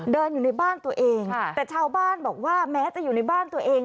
เดินอยู่ในบ้านตัวเองแต่ชาวบ้านบอกว่าแม้จะอยู่ในบ้านตัวเอง